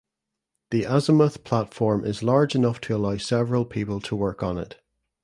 The azimuth platform is large enough to allow several people to work on it.